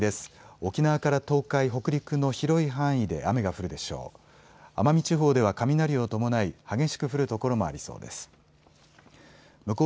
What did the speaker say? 沖縄から東海、北陸の広い範囲で雨が降るでしょう。